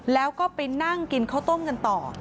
แล้วก็ไปนั่งกินข้าวต้มกันต่อ